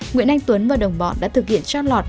nguyễn anh tuấn và đồng bọn đã thực hiện trót lọt